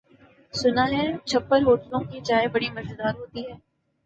سنا ہے چھپر ہوٹلوں کی چائے بڑی مزیدار ہوتی ہے۔